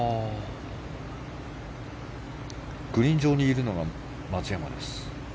グリーン上にいるのが松山です。